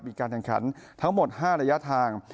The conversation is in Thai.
มีการแข่งขันทั้งหมด๕ระยะทาง